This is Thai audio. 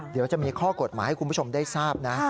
เดี๋ยวจะมีข้อกฎหมายให้คุณผู้ชมได้ทราบนะ